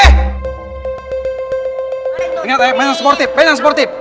ingat main yang sportif